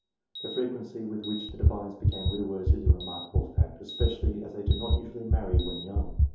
The frequency with which the Divines became widowers is a remarkable fact, especially as they did not usually marry when young.